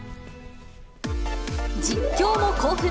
実況も興奮。